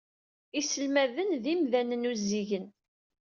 Iselmaden d imdanen uzzigen.